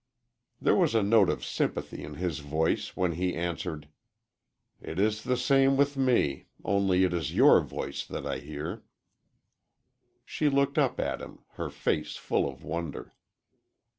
There was a note of sympathy in his voice when he answered, "It is the same with me, only it is your voice that I hear." She looked up at him, her face full of wonder.